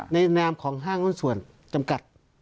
ในนามของห้างหุ้นส่วนจำกัด